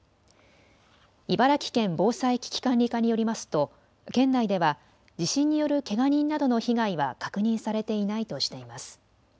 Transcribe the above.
茨城県防災・危機管理課によりますと県内では地震によるけが人などの被害は確認されていないとしています。